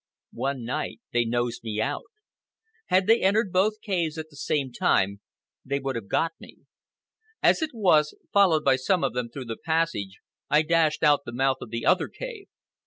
One night they nosed me out. Had they entered both caves at the same time they would have got me. As it was, followed by some of them through the passage, I dashed out the mouth of the other cave.